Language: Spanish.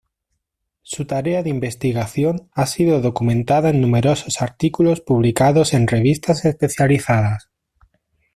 Su tarea de investigación ha sido documentada en numerosos artículos publicados en revistas especializadas.